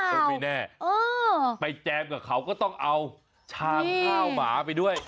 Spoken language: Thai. ไม่แน่ไปแจมกับเขาก็ต้องเอาชามข้าวหมาไปด้วย